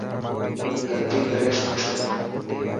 غلطي ڪري سکسي.